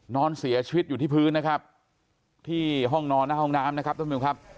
นอนเสียชีวิตอยู่ที่พื้นที่ห้องนอนหน้าห้องน้ำ